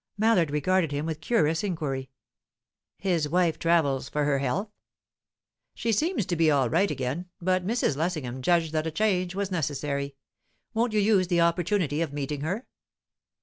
Mallard regarded him with curious inquiry. "His wife travels for her health?" "She seems to be all right again, but Mrs. Lessingham judged that a change was necessary. Won't you use the opportunity of meeting her?"